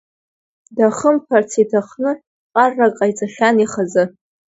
Дахымԥарц иҭахны ԥҟаррак ҟаиҵахьан ихазы…